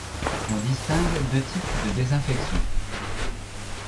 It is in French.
On distingue deux types de désinfection.